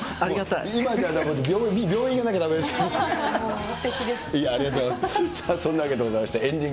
ありがとうございます。